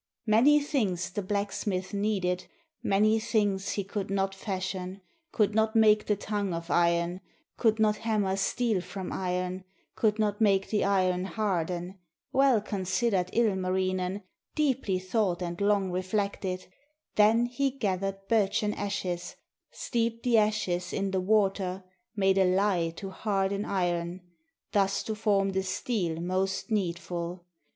Many things the blacksmith needed, Many things he could not fashion, Could not make the tongue of iron Could not hammer steel from iron. Could not make the iron harden. Well considered Ilmarinen, 10 STORY OF IRON AND THE POISON WATER Deeply thought and long reflected. Then he gathered birchen ashes, Steeped the ashes in the water, Made a lye to harden iron, Thus to form the steel most needful.